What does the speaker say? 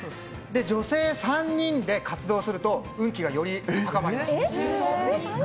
女性３人で活動すると運気がより高まります。